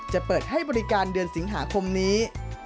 จะเปิดให้บริการเดือนสิงหาคมนี้